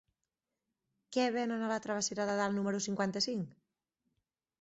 Què venen a la travessera de Dalt número cinquanta-cinc?